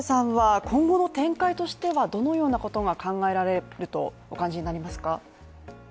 今後の展開としてはどのようなことが考えられるとお感じになられますか？